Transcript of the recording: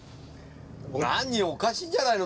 何おかしいんじゃないの？